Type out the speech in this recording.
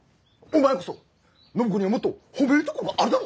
お前こそ暢子にはもっと褒めるとこがあるだろ！